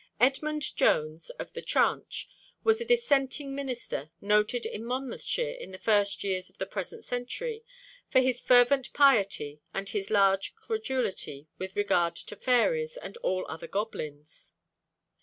Edmund Jones, 'of the Tranch,' was a dissenting minister, noted in Monmouthshire in the first years of the present century for his fervent piety and his large credulity with regard to fairies and all other goblins.